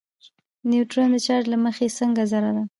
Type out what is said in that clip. نیوټرون د چارچ له مخې څنګه ذره ده.